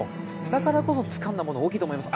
だからこそつかんだものは大きいです。